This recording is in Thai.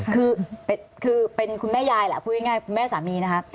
คือเป็นคุณแม่ยายแหละพูดง่ายแม่สามีนะคะ